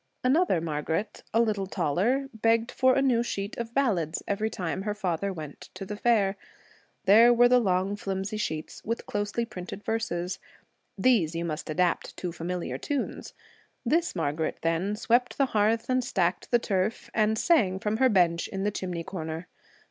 Another Margaret, a little taller, begged for a new sheet of ballads every time her father went to the fair. There were the long flimsy sheets, with closely printed verses. These you must adapt to familiar tunes. This Margaret, then, swept the hearth and stacked the turf and sang from her bench in the chimney corner.